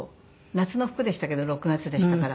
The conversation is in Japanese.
夏の服でしたけど６月でしたから。